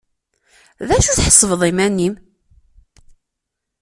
D acu i tḥesbeḍ iman-im?